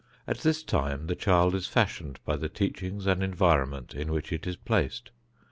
At this time the child is fashioned by the teachings and environment in which it is placed.